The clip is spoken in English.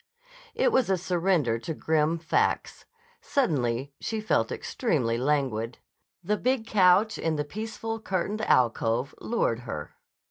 It was a surrender to grim facts. Suddenly she felt extremely languid. The big couch in the peaceful, curtained alcove lured her.